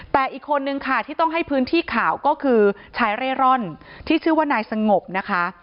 แต่อีกคนนึงค่ะที่ต้องให้พื้นที่ข่าวก็คือชายเร่ร่อนที่ชื่อว่านายสงบนะคะ